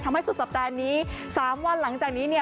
สุดสัปดาห์นี้๓วันหลังจากนี้เนี่ย